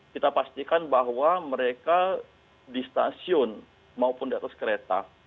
kita pastikan bahwa mereka di stasiun maupun di atas kereta